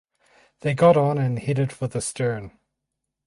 They got on and headed for the stern.